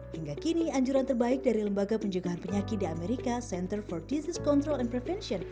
hingga kini anjuran terbaik dari lembaga penjagaan penyakit di amerika center for disease control and prevention